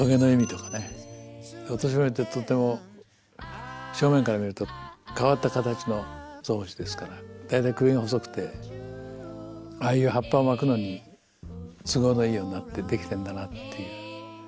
オトシブミってとっても正面から見ると変わった形のゾウムシですから大体首が細くてああいう葉っぱを巻くのに都合のいいようになってできてるんだなっていう。